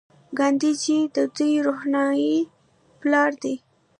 ګاندي جی د دوی روحاني پلار دی.